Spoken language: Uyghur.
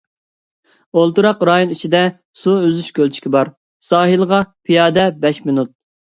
ئولتۇراق رايون ئىچىدە سۇ ئۈزۈش كۆلچىكى بار، ساھىلغا پىيادە بەش مىنۇت.